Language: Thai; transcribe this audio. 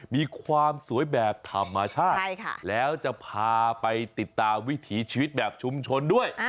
มีความสวยแบบธรรมชาติแล้วจะพาไปติดตามวิถีชีวิตแบบชุมชนด้วย